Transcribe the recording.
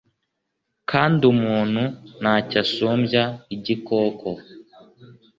kandi umuntu nta cyo asumbya igikoko